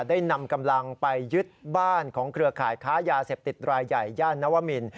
ได้นำกำลังไปยึดบ้านของเครือข่ายค้ายาเสพติดรายใหญ่ย่านนวมิน